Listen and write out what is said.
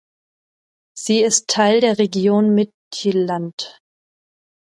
Sie ist Teil der Region Midtjylland.